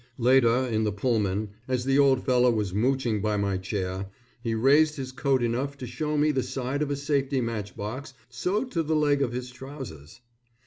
Later, in the pullman, as the old fellow was mooching by my chair, he raised his coat enough to show me the side of a safety match box sewed to the leg of his trousers.